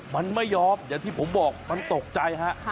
มันไม่ยอมอย่างที่ผมบอกมันตกใจฮะ